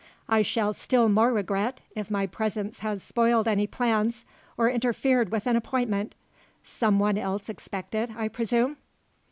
I shall still more regret, if my presence has spoiled any plans, or interfered with an appointment. Some one else expected, I presume?"